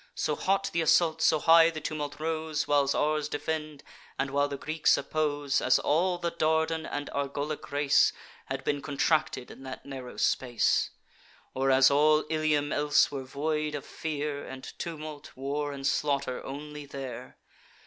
So hot th' assault, so high the tumult rose, While ours defend, and while the Greeks oppose As all the Dardan and Argolic race Had been contracted in that narrow space; Or as all Ilium else were void of fear, And tumult, war, and slaughter, only there.